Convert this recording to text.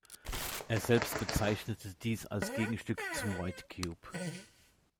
Er selbst bezeichnete dies als „Gegenstück zum White Cube“.